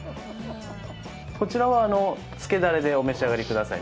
こちらは漬けダレでお召し上がりください。